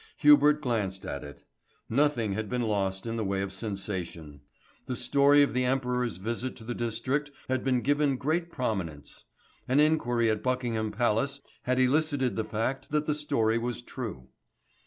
Hubert glanced at it. Nothing had been lost in the way of sensation. The story of the Emperor's visit to the district had been given great prominence. An inquiry at Buckingham Palace had elicited the fact that the story was true.